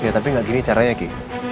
iya tapi gak gini caranya ki